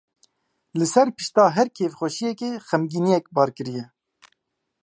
Li ser pişta her kêfxweşiyekê xemgîniyek barkirî ye.